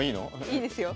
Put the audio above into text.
いいですよ。